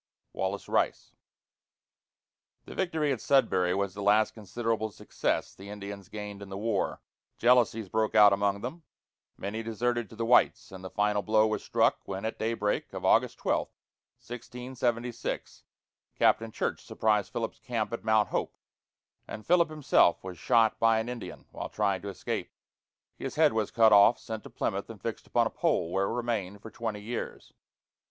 WALLACE RICE. The victory at Sudbury was the last considerable success the Indians gained in the war. Jealousies broke out among them, many deserted to the whites, and the final blow was struck when, at daybreak of August 12, 1676, Captain Church surprised Philip's camp at Mt. Hope, and Philip himself was shot by an Indian while trying to escape. His head was cut off, sent to Plymouth, and fixed upon a pole, where it remained for twenty years.